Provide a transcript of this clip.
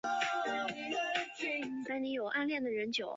她之后在洛杉矶西湖女子学院就读。